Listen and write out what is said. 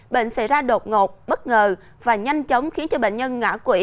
bệnh xảy ra đột ngột bất ngờ và nhanh chóng khiến cho bệnh nhân ngã quỷ